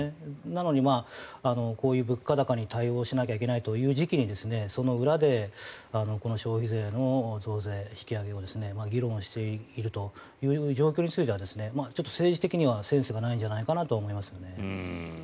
なのにこういう物価高に対応しなきゃいけないという時期にその裏で、この消費税の増税引き上げを議論しているという状況についてはちょっと政治的にはセンスがないんじゃないかと思いますね。